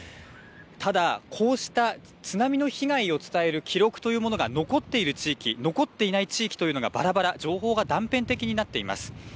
ただこうした津波の被害を伝える記録というものが残っている地域、残っていない地域がばらばら、情報が断片的です。